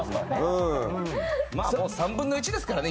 ３分の１ですからね。